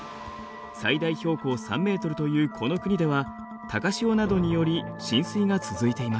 最大標高３ｍというこの国では高潮などにより浸水が続いています。